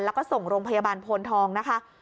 แล้วก็ส่งโรงพยาบาลโพนทองนะคะ